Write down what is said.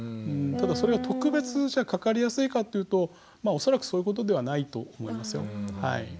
ただそれは特別じゃあかかりやすいかというとまあ恐らくそういうことではないと思いますよ。